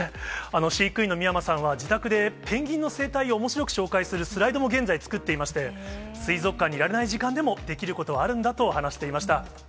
飼育員の見山さんは、自宅でペンギンの生態をおもしろく紹介するスライドも現在作っていまして、水族館にいられない時間でも、できることはあるんだと話していました。